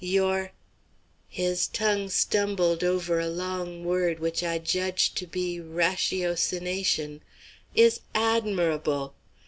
Your" his tongue stumbled over a long word which I judged to be "ratiocination" "is admirable.